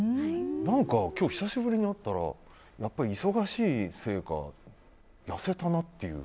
何か、今日久しぶりに会ったらやっぱり忙しいせいか痩せたなっていう。